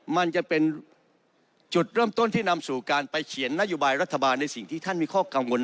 มันจะเป็นจุดเริ่มต้นที่นำสู่การไปเขียนนโยบายรัฐบาลในสิ่งที่ท่านมีข้อกังวล